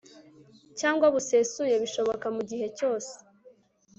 cyangwa busesuye bishoboka mu gihe cyose